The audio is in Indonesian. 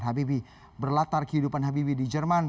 habibi berlatar kehidupan habibie di jerman